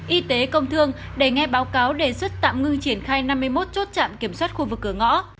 y tế công thương để nghe báo cáo đề xuất tạm ngưng triển khai năm mươi một chốt trạm kiểm soát khu vực cửa ngõ